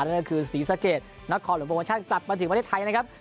นั่นก็คือศรีสะเกดนครหลวงโปรโมชั่นกลับมาถึงประเทศไทยนะครับ